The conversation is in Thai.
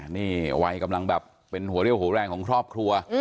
นี่วัยกำลังแบบเป็นหัวเรี่ยวหัวแรงของครอบครัว